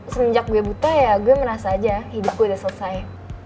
semenjak gue buta ya gue merasa aja hidup gue udah selesai